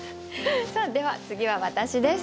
さあでは次は私です。